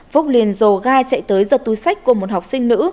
phúc liền dồ ga chạy tới giật túi sách của một học sinh nữ